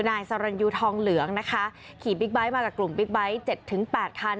นายสรรยูทองเหลืองนะคะขี่บิ๊กไบท์มากับกลุ่มบิ๊กไบท์เจ็ดถึงแปดคัน